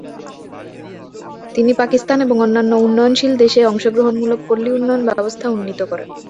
তিনি পাকিস্তান এবং অন্যান্য উন্নয়নশীল দেশে অংশগ্রহণমূলক পল্লী উন্নয়ন ব্যবস্থা উন্নীত করেন।